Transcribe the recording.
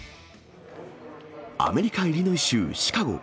アメリカ・イリノイ州シカゴ。